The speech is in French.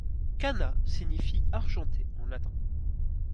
Cana signifie argentée en latin.